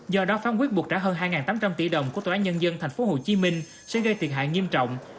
do đó phán quyết buộc trả hơn hai tám trăm linh tỷ đồng của tòa án nhân dân tp hcm sẽ gây thiệt hại nghiêm trọng